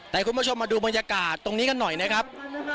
แต่คุณผู้ชมมาดูบรรยากาศตรงนี้กันหน่อยนะครับ